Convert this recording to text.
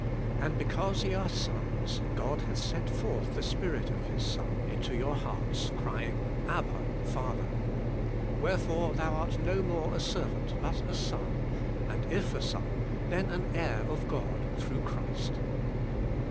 "And because ye are sons God hath sent forth the Spirit of His Son into your hearts, crying, Abba, Father. Wherefore thou art no more a ser THK HOLY SPIKIT IN GA^ATIANS. 109 v^ant, but a son; and if a son, then an heir of God throug h Christ."